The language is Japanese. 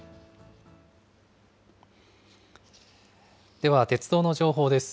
では、鉄道の情報です。